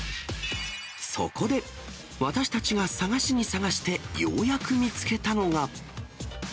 そこで、私たちが探しに探して、ようやく見つけたのが。